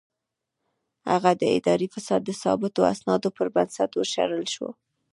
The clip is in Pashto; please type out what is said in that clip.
هغه د اداري فساد د ثابتو اسنادو پر بنسټ وشړل شو.